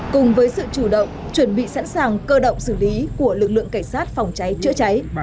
đồng thời có sự chủ động chuẩn bị sẵn sàng cơ động xử lý của lực lượng cảnh sát phòng cháy chữa cháy